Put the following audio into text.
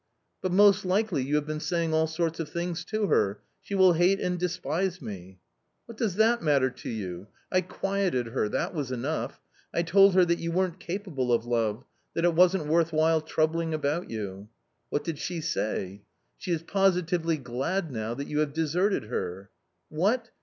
" But most likely you have been saying all sorts of things to her. She will hate and despise me." " What does it matter to you ? I quieted her — that was enough ; I told her that you weren't capable of love ; that it wasn't worth while troubling about you." " What did she say ?" "She is positively glad now that you have deserted her." " What